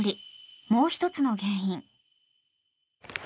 もう１つの原因。